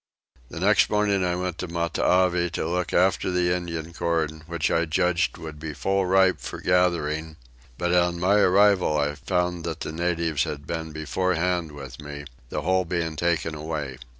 The next morning I went to Matavai to look after the Indian corn which I judged would be full ripe for gathering; but on my arrival I found that the natives had been beforehand with me, the whole being taken away.